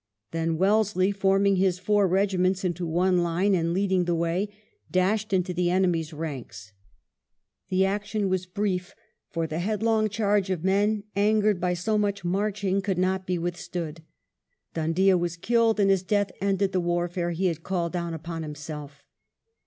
Then Wellesley, forming his four regiments into one line and leading the way, dashed into the enemy's ranks. The action was brief, for the headlong charge of men angered by so much marching could not be withstood. Dhoondiah was killed, and his death ended the warfare he had called down upon himself.